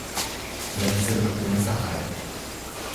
Deve ser uma criança rara.